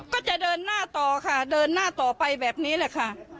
ก็จะเดินหน้าต่อค่ะเดินหน้าต่อไปแบบนี้แหละค่ะ